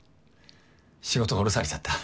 仕事降ろされちゃった。